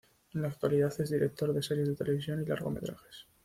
En la actualidad es director de series de televisión y largometrajes.